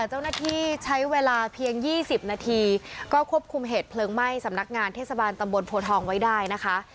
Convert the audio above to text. เจ้าหน้าที่ใช้เวลาเพียง๒๐นาทีก็ควบคุมเหตุเพลิงไหม้สำนักงานเทศบาลตำบลโพทองไว้ได้นะคะ